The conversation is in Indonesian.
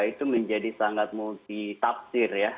itu menjadi sangat multitafsir